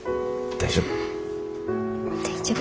大丈夫。